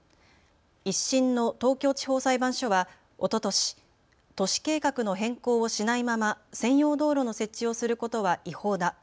１審の東京地方裁判所はおととし都市計画の変更をしないまま専用道路の設置をすることは違法だ。